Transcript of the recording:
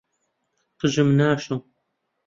قژم ناشۆم.